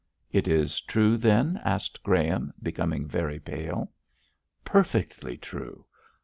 'It is true, then?' asked Graham, becoming very pale. 'Perfectly true.